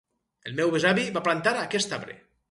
El meu besavi va plantar aquest arbre.